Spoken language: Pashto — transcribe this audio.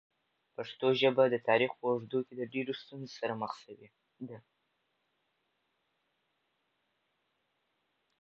پښتو ژبه د تاریخ په اوږدو کې ډېرو ستونزو سره مخ شوې ده.